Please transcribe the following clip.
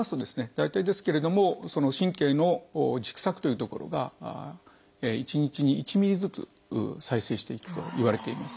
大体ですけれどもその神経の軸索という所が１日に１ｍｍずつ再生していくといわれています。